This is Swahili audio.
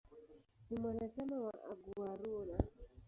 Ni mwanachama wa "Aguaruna".